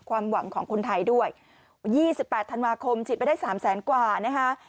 ความหวังของคนไทยด้วย๒๘ธันวาคมฉีดไปได้สามแสนกว่านะคะ